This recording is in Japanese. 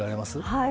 はい。